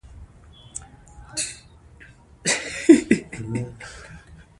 سیلاني ځایونه د افغانستان د امنیت په اړه اغېز لري.